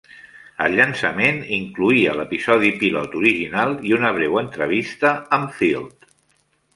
El llançament incloïa l"episodi pilot original i una breu entrevista amb Field.